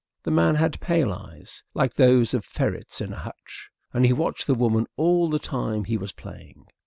The man had pale eyes, like those of ferrets in a hutch, and he watched the woman all the time he was playing.